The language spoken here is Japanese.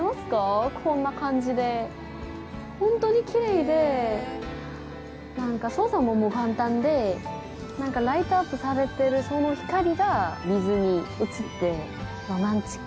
ほんとにきれいで、なんか操作ももう簡単で、ライトアップされてるその光が水に映って、ロマンチック。